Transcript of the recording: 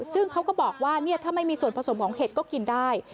ซึ่งเขาก็บอกว่าถ้าไม่มีส่วนผสมของเห็ดก็กินได้